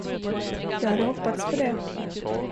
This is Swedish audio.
Jag hade hoppats på det.